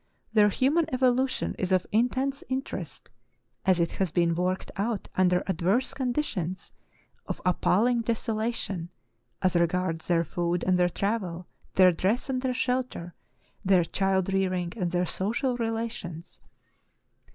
Their human evolution is of intense interest, as it has been worked out under adverse conditions of appalling desolation as regards their food and their travel, their dress and their shelter, their child rearing and their social rela tions.